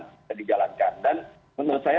bisa dijalankan dan menurut saya